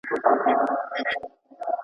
اورېدنه مانا ټاکي.